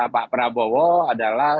pak prabowo adalah